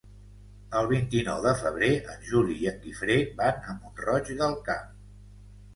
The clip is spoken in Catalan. El vint-i-nou de febrer en Juli i en Guifré van a Mont-roig del Camp.